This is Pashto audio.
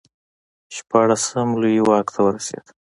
شپاړسم لویي واک ته ورسېد.